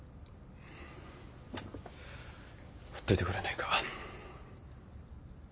ほっといてくれないか。